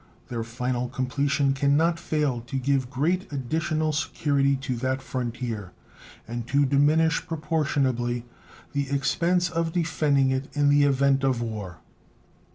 Their final completion can not fail to give great additional security to that frontier, and to diminish proportionably the expense of defending it in the event of war.